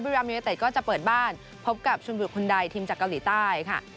บริรามยนต์เอเตศก็จะเปิดบ้านพบกับชุนบุรคุณดัยทีมจากเกาหลีใต้ค่ะ